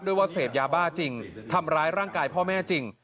ว่าเสพยาบ้าจริงทำร้ายร่างกายพ่อแม่จริง